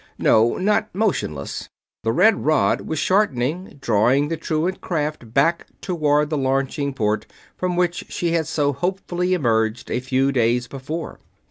No, not motionless the red rod was shortening, drawing the truant craft back toward the launching port from which she had so hopefully emerged a few days before.